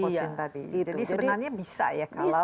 jadi sebenarnya bisa ya